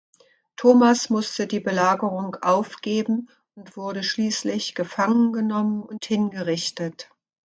Thomas musste die Belagerung aufgeben und wurde schließlich gefangen genommen und hingerichtet.